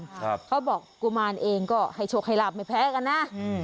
เขาบอกกุมารเองก็ให้โชคให้ลาบไม่แพ้กันนะอืม